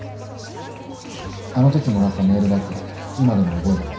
あの時もらったメールだって今でも覚えてる。